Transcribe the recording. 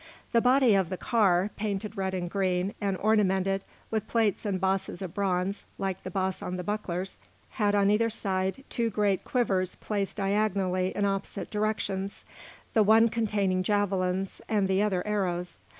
The body of the car, painted red and green, and ornamented with plates and bosses of bronze like the boss on the bucklers, had on either side two great quivers placed diagonally in opposite directions, the one containing javelins, and the other arrows.